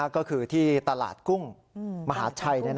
ก็คือที่ตลาดกุ้งมหาชัย